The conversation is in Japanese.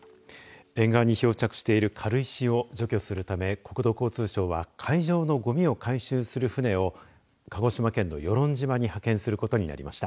沿岸に漂着している軽石を除去するため国土交通省は会場のごみを回収する船を鹿児島県の与論島に派遣することになりました。